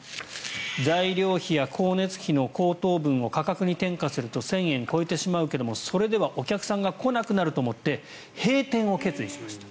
材料費や光熱費の高騰分を価格に転嫁すると１０００円を超えてしまうけどそれではお客さんが来なくなると思って閉店を決意しました。